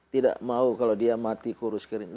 tidak mau kalau dia mati kurus kering